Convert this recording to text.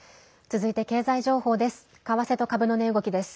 続いて経済情報です。